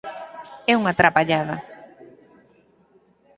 É unha trapallada!